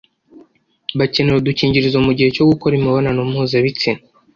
bakenera udukingirizo mu gihe cyo gukora imibonano mpuzabitsina